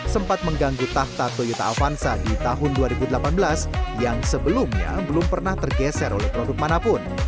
sempat mengganggu tahta toyota avanza di tahun dua ribu delapan belas yang sebelumnya belum pernah tergeser oleh produk manapun